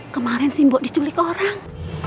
kemarin sembuh diculik orang